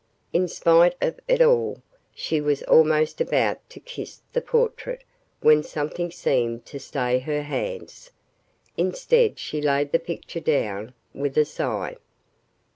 In spite of it all, she was almost about to kiss the portrait when something seemed to stay her hands. Instead she laid the picture down, with a sigh.